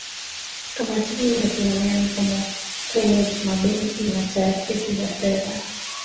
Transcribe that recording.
kamati hii inasimamia mifumo kwenye mabenki na taasisi za fedha